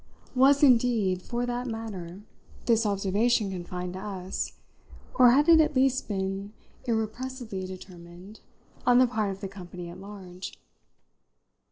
Was indeed, for that matter, this observation confined to us, or had it at last been irrepressibly determined on the part of the company at large?